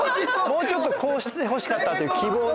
もうちょっとこうしてほしかったという希望ね。